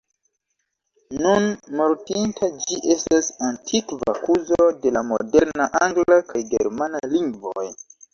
Nun mortinta, ĝi estas antikva kuzo de la moderna angla kaj germana lingvoj.